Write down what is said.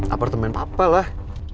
apartemen papa lah